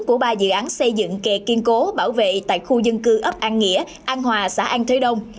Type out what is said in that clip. của ba dự án xây dựng kề kiên cố bảo vệ tại khu dân cư ấp an nghĩa an hòa xã an thế đông